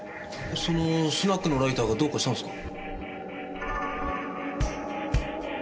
そのスナックのライターがどうかしたんですか？